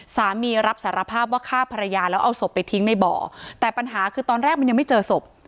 สามีรับสารภาพว่าฆ่าภรรยาแล้วเอาศพไปทิ้งในบ่อแต่ปัญหาคือตอนแรกมันยังไม่เจอศพ